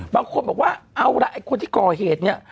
บางคนบอกว่าเอาล่ะไอ้คนที่ก่อเหตุเนี่ย